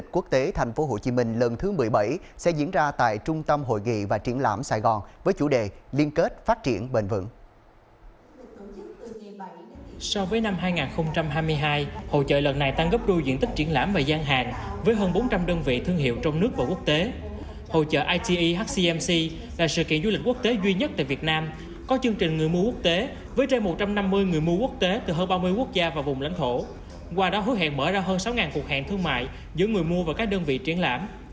qua đó hứa hẹn mở ra hơn sáu cuộc hẹn thương mại giữa người mua và các đơn vị triển lãm